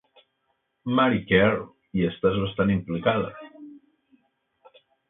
Mary Kerr, hi estàs bastant implicada.